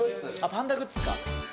パンダグッズか。